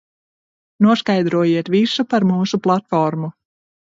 Noskaidrojiet visu par mūsu platformu.